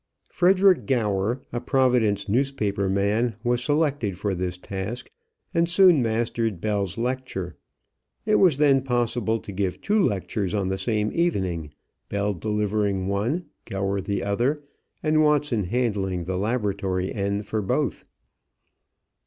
Frederick Gower, a Providence newspaper man, was selected for this task, and soon mastered Bell's lecture. It was then possible to give two lectures on the same evening, Bell delivering one, Gower the other, and Watson handling the laboratory end for both.